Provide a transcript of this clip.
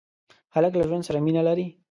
هلک له ژوند سره مینه لري.